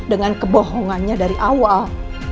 dengan kebohongannya dari awal